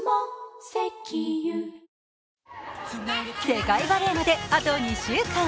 世界バレーまであと２週間。